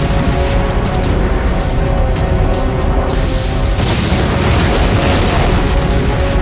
jangan lupa valley